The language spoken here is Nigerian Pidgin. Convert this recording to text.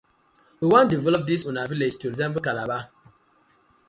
We wan develop dis una villag to resemble Calabar.